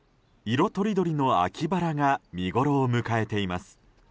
色とりどりの秋バラが見ごろを迎えています。